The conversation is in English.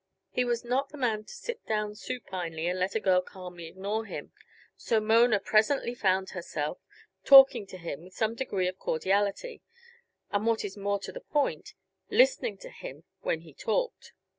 He was not the man to sit down supinely and let a girl calmly ignore him; so Mona presently found herself talking to him with some degree of cordiality; and what is more to the point, listening to him when he talked.